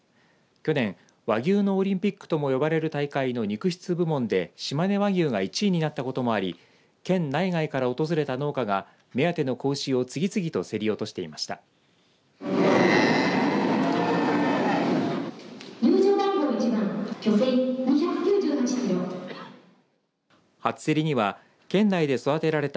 去年、和牛のオリンピックとも呼ばれる大会の肉質部門で、しまね和牛が１位になったこともあり県内外から訪れた農家が目当ての子牛を次々と競り落としていました。